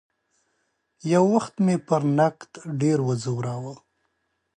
یو وخت مې پر نقد ډېر وځوراوه.